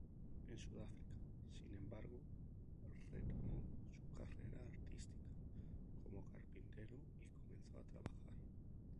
En Sudáfrica, sin embargo, retomó su carrera artística como carpintero y comenzó a trabajar.